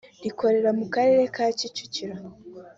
rikorera mu Karere ka Kicukiro